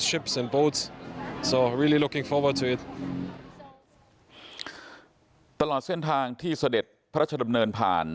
ตลอดเส้นทางที่เสด็จพระราชดำเนินผ่าน